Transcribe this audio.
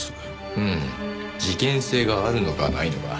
うん事件性があるのかないのか。